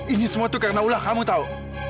ini semua tuh karena allah kamu tau